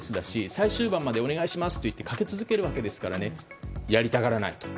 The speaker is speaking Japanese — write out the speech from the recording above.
最終盤までお願いします！と言ってかけ続けるわけですからやりたがらないと。